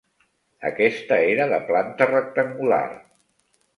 Aquesta era de planta rectangular.